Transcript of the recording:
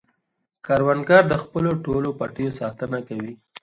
کروندګر د خپلو ټولو پټیو ساتنه کوي